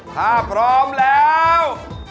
ถ้าพร้อมแล้ว